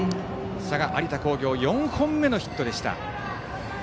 佐賀・有田工業４本目のヒットでした。